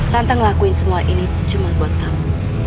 tante ngelakuin semua ini cuma buat kamu